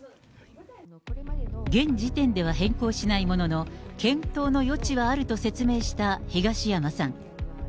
現時点では変更しないものの、検討の余地はあると説明した東山さん。